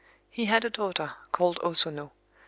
He had a daughter called O Sono.